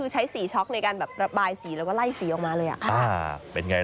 ใช้สีช็อกในการบายสี